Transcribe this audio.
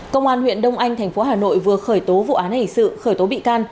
công an huyện đông anh tp hà nội vừa khởi tố vụ án hình sự khởi tố bị can